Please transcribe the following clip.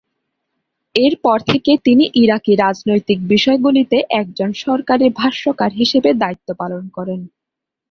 এর পর থেকে তিনি ইরাকি রাজনৈতিক বিষয়গুলিতে একজন সরকারী ভাষ্যকার হিসাবে দায়িত্ব পালন করেন।